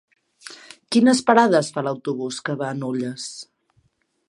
Quines parades fa l'autobús que va a Nulles?